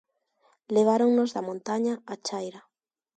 Leváronnos da montaña á chaira.